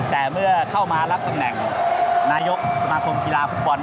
แต่เมื่อเข้ามารับตำแหน่งนายกสมธงธิลาฝุ่น